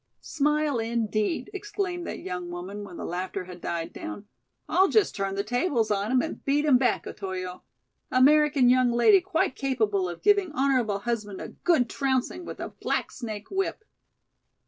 "Smile indeed," exclaimed that young woman when the laughter had died down; "I'll just turn the tables on him and beat him back, Otoyo. American young lady quite capable of giving honorable husband a good trouncing with a black snake whip."